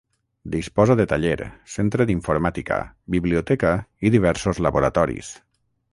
Disposa de taller, centre d'informàtica, Biblioteca i diversos laboratoris.